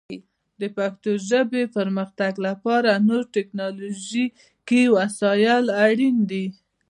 د پښتو ژبې پرمختګ لپاره نور ټکنالوژیکي وسایل اړین دي.